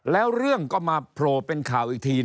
แล้วเรื่องก็มาโผล่เป็นข่าวอีกที